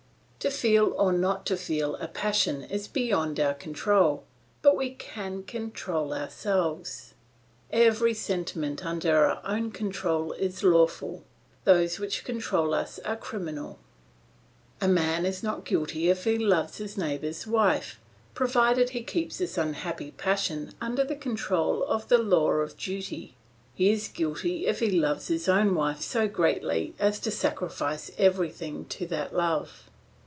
To feel or not to feel a passion is beyond our control, but we can control ourselves. Every sentiment under our own control is lawful; those which control us are criminal. A man is not guilty if he loves his neighbour's wife, provided he keeps this unhappy passion under the control of the law of duty; he is guilty if he loves his own wife so greatly as to sacrifice everything to that love.